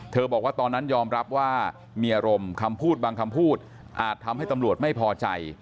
บอกว่าตอนนั้นยอมรับว่ามีอารมณ์คำพูดบางคำพูดอาจทำให้ตำรวจไม่พอใจ